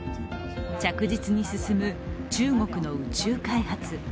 着実に進む中国の宇宙開発。